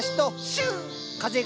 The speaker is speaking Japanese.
シューッ！